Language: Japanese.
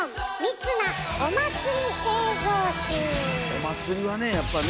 お祭りはねやっぱね。